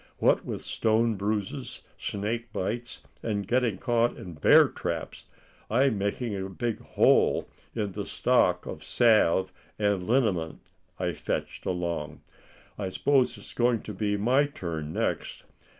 What with stone bruises, snake bites, and getting caught in bear traps, I'm making a big hole in the stock of salve and liniment I fetched along. I suppose it's going to be my turn next.